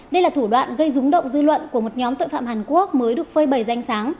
đây là thủ đoạn gây rúng động dư luận của một nhóm tội phạm hàn quốc mới được phơi bầy danh sáng